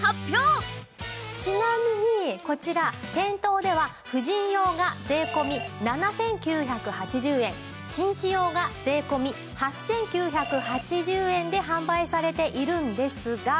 ちなみにこちら店頭では婦人用が税込７９８０円紳士用が税込８９８０円で販売されているんですが。